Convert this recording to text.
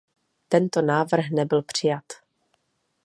Tento návrh nebyl přijat.